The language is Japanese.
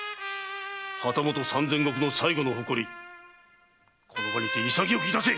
旗本三千石の最後の誇りこの場にて潔くいたせ！